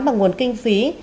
bằng nguồn kinh phí